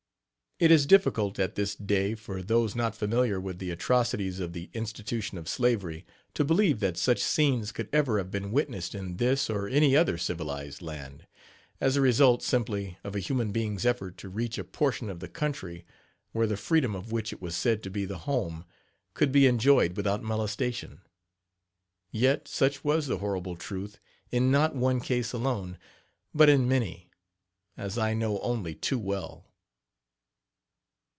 It is diffiicult at this day for those not familiar with the atrocities of the institution of slavery to believe that such scenes could ever have been witnessed in this or any other civilized land, as a result simply of a human being's effort to reach a portion of the country, where the freedom of which it was said to be the home, could be enjoyed without molestation. Yet such was the horrible truth in not one case alone, but in many, as I know only too well.